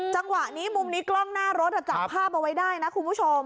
จังหวะนี้มุมนี้กล้องหน้ารถจับภาพเอาไว้ได้นะคุณผู้ชม